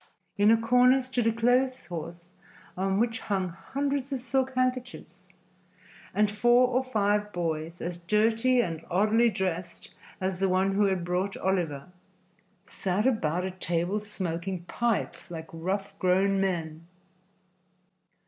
In a corner stood a clothes horse on which hung hundreds of silk handkerchiefs, and four or five boys, as dirty and oddly dressed as the one who had brought Oliver, sat about a table smoking pipes like rough, grown men.